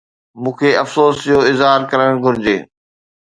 مون کي افسوس جو اظهار ڪرڻ گهرجي؟